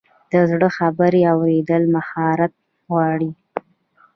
د زړه خبرې اورېدل مهارت غواړي.